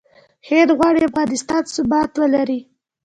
هند غواړي افغانستان ثبات ولري.